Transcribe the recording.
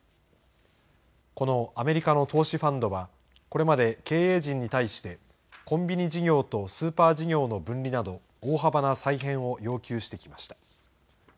このアメリカの投資ファンドは、これまで経営陣に対して、コンビニ事業とスーパー事業の分離など、大幅な再編を要求してきました。